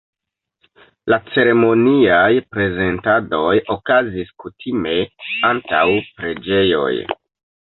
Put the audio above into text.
La ceremoniaj prezentadoj okazis kutime antaŭ preĝejoj.